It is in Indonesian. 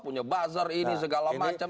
punya buzzer ini segala macam